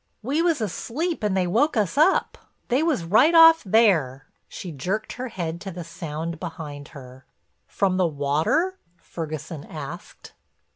"We was asleep and they woke us up. They was right off there," she jerked her head to the Sound behind her. "From the water?" Ferguson asked.